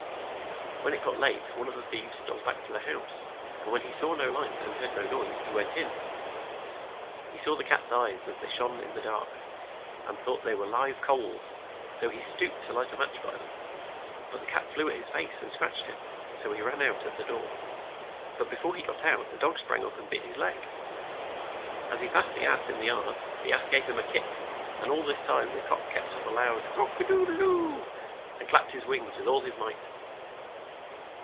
When it got late one of the thieves stole back to the house; and when he saw no light, and heard no noise, he went in. He saw the cat's eyes, as they shone in the dark, and thought they were live coals, so he stooped to light a match by them. But the cat flew at his face and scratched him, so he ran out at the door. But be fore he got out, the dog sprang up and bit his leg. As he passed the ass in the yard, the ass gave THE TOWN MUSICIANS OF BREMEN 57 THE GANG OF THIEVES. him a kick, and all this time the cock kept up a loud '' Cock a doo dle doo !" and clapped his wings with all his might.